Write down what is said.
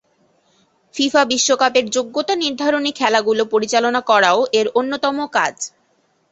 FIFA বিশ্বকাপের যোগ্যতা নির্ধারণী খেলাগুলো পরিচালনা করাও এর অন্যতম কাজ।